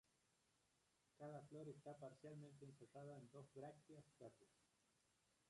Cada flor está parcialmente encerrada en dos brácteas verdes.